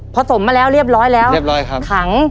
สมมาแล้วเรียบร้อยแล้วเรียบร้อยครับขัง